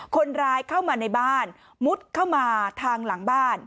คนร้ายเข้ามาในบ้านมุดเข้ามาทางหลังบ้าน